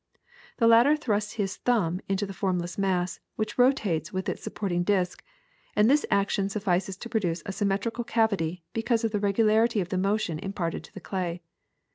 The latter thrusts his thumb into the form less mass, which rotates with its supporting disk, and this action suffices to produce a symmetrical cavity because of the regularity of the motion im. parted to the clay.